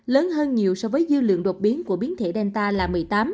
lớn hơn nhiều so với dư lượng đột biến của biến thể delta là một mươi tám